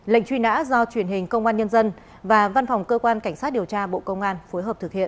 lệnh truy nã do truyền hình công an nhân dân và văn phòng cơ quan cảnh sát điều tra bộ công an phối hợp thực hiện